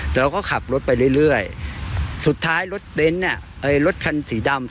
แต่เราก็ขับรถไปเรื่อยสุดท้ายรถเบนท์รถคันสีดำ